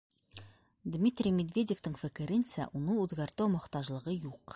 Дмитрий Медведевтың фекеренсә, уны үҙгәртеү мохтажлығы юҡ.